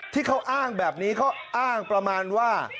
ที่เขาอ้างแบบนี้เขาอ้างประมาณว่า